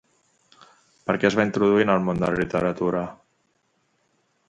Per què es va introduir en el món de la literatura?